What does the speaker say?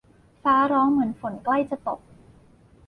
ฟ้าร้องเหมือนฝนใกล้จะตก